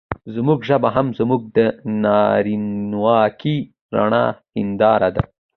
زموږ ژبه هم زموږ د نارينواکۍ رڼه هېنداره ده.